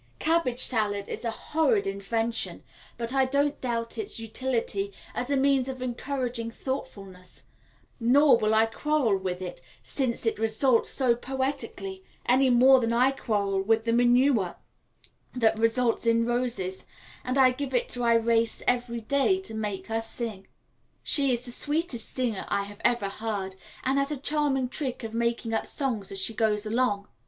Cabbage salad is a horrid invention, but I don't doubt its utility as a means of encouraging thoughtfulness; nor will I quarrel with it, since it results so poetically, any more than I quarrel with the manure that results in roses, and I give it to Irais every day to make her sing. She is the sweetest singer I have ever heard, and has a charming trick of making up songs as she goes along.